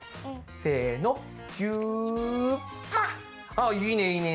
あっいいねいいね！